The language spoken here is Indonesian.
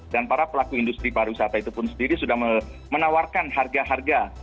dan para pelaku industri pariwisata itu pun sendiri sudah menawarkan harga harga